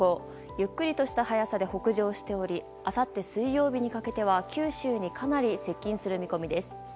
ゆっくりとした速さで北上しておりあさって水曜日にかけては九州にかなり接近する見込みです。